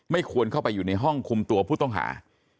ควรเข้าไปอยู่ในห้องคุมตัวผู้ต้องหา